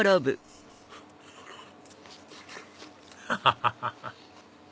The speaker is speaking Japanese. ハハハハ！